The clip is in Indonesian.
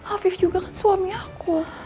afif juga kan suami aku